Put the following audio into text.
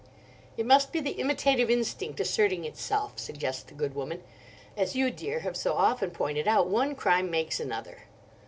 "It must be the imitative instinct asserting itself," suggests the good woman. "As you, dear, have so often pointed out, one crime makes another."